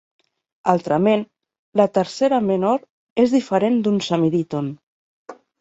Altrament, la tercera menor és diferent d'un semidíton.